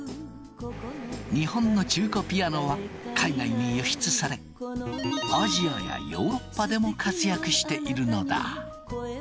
日本の中古ピアノは海外に輸出されアジアやヨーロッパでも活躍しているのだ。